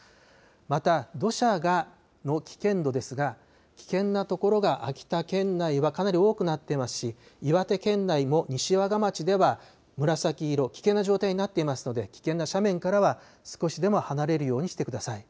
また土砂の危険度ですが、危険な所が秋田県内はかなり多くなってますし、岩手県内も西和賀町では紫色、危険な状態になっていますので、危険な斜面からは少しでも離れるようにしてください。